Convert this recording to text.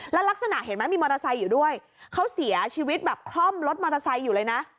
แล้วลักษณะเห็นไหมมีมอเตอร์ไซค์อยู่ด้วยเขาเสียชีวิตแบบคล่อมรถมอเตอร์ไซค์อยู่เลยนะ